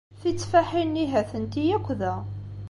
Titteffaḥin-nni ha-tent-i akk da.